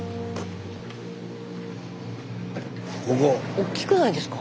おっきくないですか？